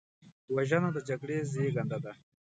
وژنه د جګړې زیږنده ده